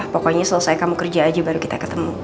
pokoknya selesai kamu kerja aja baru kita ketemu